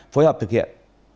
phối hợp thực hiện